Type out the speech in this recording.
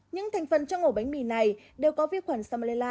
những thành phần trong ngộ bánh mì này đều có vi khuẩn salmonella